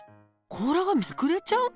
甲羅がめくれちゃうの？